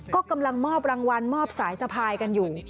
ก็กำลังมอบรางวัลมอบสายสะพายกันอยู่